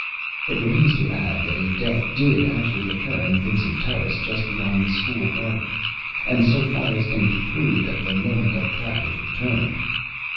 It remains to add that a death did actually occur in Vincent Terrace, just beyond the school garden, and, so far as can be proved, at the moment of Plattner's return.